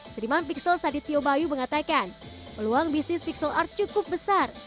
sediman pixel sadit tio bayu mengatakan peluang bisnis pixel art cukup besar